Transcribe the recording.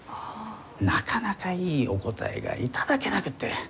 なかなかいいお答えが頂けなくって。